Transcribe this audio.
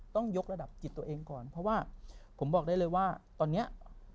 ต้องยกระดับจิตตัวเองก่อนเพราะว่าผมบอกได้เลยว่าตอนนี้